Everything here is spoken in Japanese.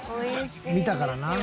見たからな。